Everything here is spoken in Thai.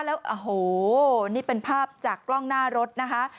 แล้วโอ้โหนี่เป็นภาพจากกล้องหน้ารถนะคะ